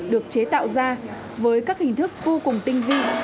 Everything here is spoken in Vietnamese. được chế tạo ra với các hình thức vô cùng tinh vi